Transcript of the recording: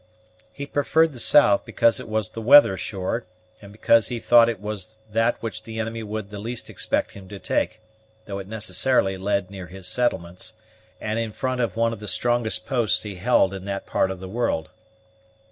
He preferred the south because it was the weather shore, and because he thought it was that which the enemy would the least expect him to take, though it necessarily led near his settlements, and in front of one of the strongest posts he held in that part of the world.